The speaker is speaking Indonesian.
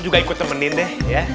juga ikut temenin deh